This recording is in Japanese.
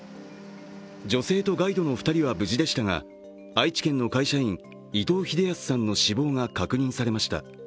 女性とガイドの２人は無事でしたが、愛知県の会社員伊東秀恭さんの死亡が確認されました。